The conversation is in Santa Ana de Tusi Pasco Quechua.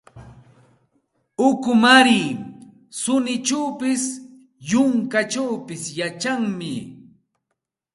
Ukumaari suninchawpis, yunkachawpis yachanmi.